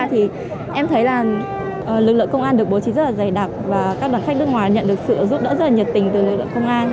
thì em thấy là lực lượng công an được bố trí rất là dày đặc và các đoàn khách nước ngoài nhận được sự giúp đỡ rất là nhiệt tình từ lực lượng công an